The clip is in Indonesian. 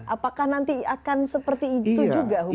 apakah nanti akan seperti itu juga hujan